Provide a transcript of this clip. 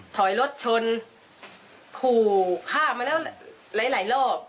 ถอยรถชนขู่ฆ่ามาแล้วหลายรอบ